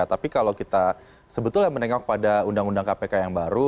tapi kalau kita sebetulnya menengok pada undang undang kpk yang baru